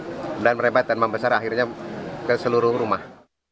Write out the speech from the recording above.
kemudian merepet dan membesar akhirnya ke seluruh rumah